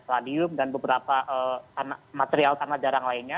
radium dan beberapa material tanah jarang lainnya